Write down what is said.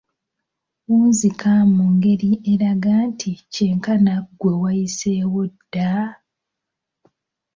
Wunzika mu ngeri eraga nti kyenkana ggwe wayiseewo dda!